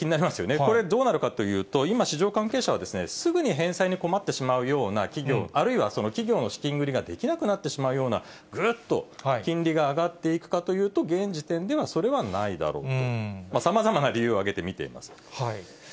これ、どうなるかというと、今、関係者はすぐに返済に困ってしまうような企業、あるいは企業の資金繰りができなくなってしまうような、ぐっと金利が上がっていくかというと、現時点ではそれではないだろうと。